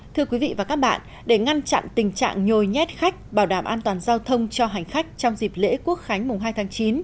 thưa quý vị và các bạn để ngăn chặn tình trạng nhồi nhét khách bảo đảm an toàn giao thông cho hành khách trong dịp lễ quốc khánh mùng hai tháng chín